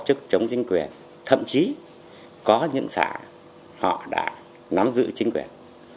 tổ chức chống chính quyền thậm chí có những xã họ đã nắm giữ chính quyền